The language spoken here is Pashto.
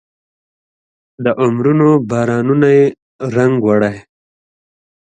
د عمرونو بارانونو یې رنګ وړی